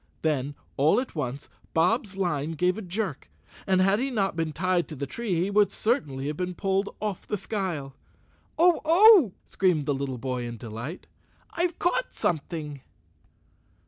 Then, all at once, Bob's line gave a jerk and had he not been tied to the tree he would certainly have been pulled off the skyle. "Oh! Oh!" screamed the little boy in delight, "I've caught something!"